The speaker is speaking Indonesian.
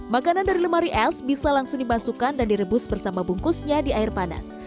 makanan dari lemari es bisa langsung dimasukkan dan direbus bersama bungkusnya di air panas